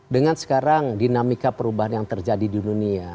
dengan sekarang dinamika perubahan yang terjadi di dunia